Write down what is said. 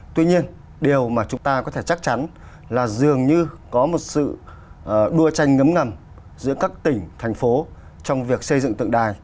tuy nhiên điều mà chúng ta có thể chắc chắn là dường như có một sự đua tranh ngấm ngầm giữa các tỉnh thành phố trong việc xây dựng tượng đài